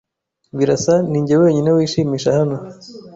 Birasa ninjye wenyine wishimisha hano.